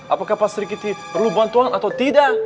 apakah pak sri kiti perlu bantuan atau tidak